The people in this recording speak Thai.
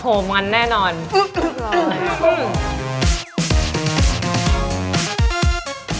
สำคัญที่เมาส์คนในวงมาก